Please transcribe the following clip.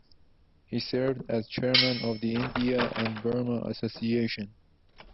He served as chairman of the India and Burma Association.